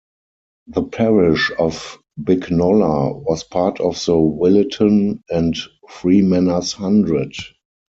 The parish of Bicknoller was part of the Williton and Freemanners Hundred.